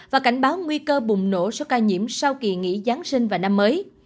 và cảnh báo nguy cơ bùng nổ số ca nhiễm sau kỳ nghỉ giáng sinh và năm mới